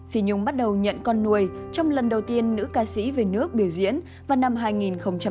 phi nhung bắt đầu nhận con nuôi trong lần đầu tiên nữ ca sĩ về nước biểu diễn vào năm hai nghìn một mươi